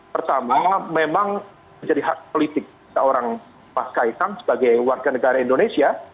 pertama memang menjadi hak politik seorang mas kaisang sebagai warga negara indonesia